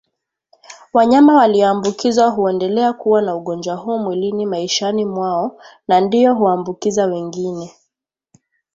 Wanyama walioambukizwa huendelea kuwa na ugonjwa huu mwilini maishani mwao na ndio huambukiza wengine